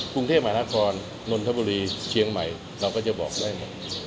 กรุงเทพมหานครนนทบุรีเชียงใหม่เราก็จะบอกได้หมด